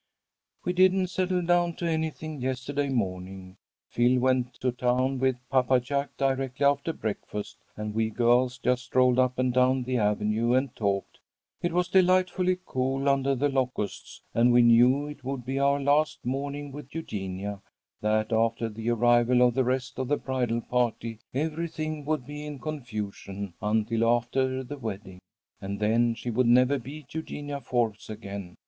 "We didn't settle down to anything yesterday morning. Phil went to town with Papa Jack directly after breakfast, and we girls just strolled up and down the avenue and talked. It was delightfully cool under the locusts, and we knew it would be our last morning with Eugenia; that after the arrival of the rest of the bridal party, everything would be in confusion until after the wedding, and then she would never be Eugenia Forbes again.